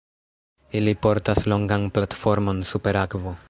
Ili portas longan platformon, super akvo.